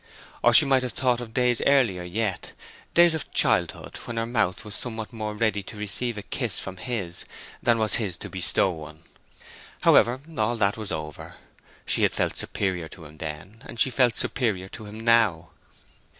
Or she might have thought of days earlier yet—days of childhood—when her mouth was somewhat more ready to receive a kiss from his than was his to bestow one. However, all that was over. She had felt superior to him then, and she felt superior to him now.